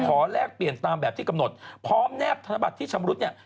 แลกเปลี่ยนตามแบบที่กำหนดพร้อมแนบธนบัตรที่ชำรุดเนี่ย